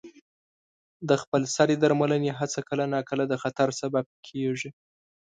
د خپل سرې درملنې هڅه کله ناکله د خطر سبب کېږي.